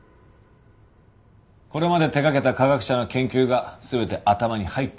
これまで手掛けた科学者の研究が全て頭に入ってますからね。